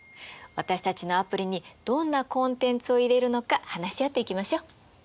私たちのアプリにどんなコンテンツを入れるのか話し合っていきましょう。